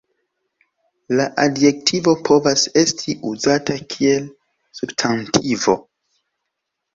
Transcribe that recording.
La adjektivo povas esti uzata kiel substantivo.